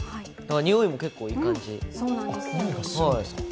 匂いも結構いい感じ。